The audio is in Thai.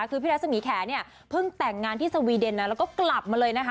คือพี่รัศมีแขเนี่ยเพิ่งแต่งงานที่สวีเดนนะแล้วก็กลับมาเลยนะคะ